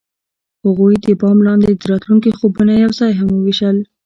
هغوی د بام لاندې د راتلونکي خوبونه یوځای هم وویشل.